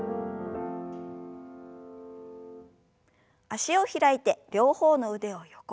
脚を開いて両方の腕を横に。